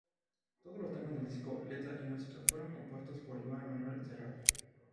Todos los temas del disco, letra y música, fueron compuestos por Joan Manuel Serrat.